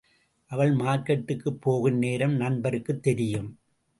அவள் மார்க்கட்டுக்குப் போகும் நேரம் நண்பருக்குத் தெரியும்.